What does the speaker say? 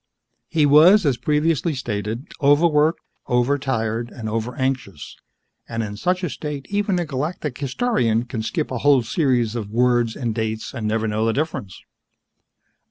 He was, as previously stated, overworked, over tired, and over anxious and, in such a state, even a Galactic Historian can skip a whole series of words and dates and never know the difference.